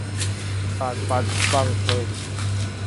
ตาลปัตรบังเพลิง